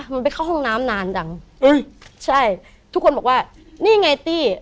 มันไปเข้าห้องน้ำนานจังเอ้ยใช่ทุกคนบอกว่านี่ไงตี้